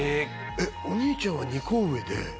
お兄ちゃんは２個上で？